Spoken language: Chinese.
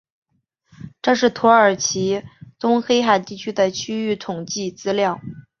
这是土耳其东黑海地区的区域统计资料。